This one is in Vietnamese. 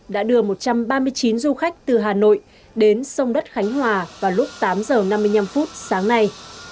đã đưa một trăm ba mươi chín du khách từ hà nội đến song đất khánh hòa vào lúc tám h năm mươi năm sáng nay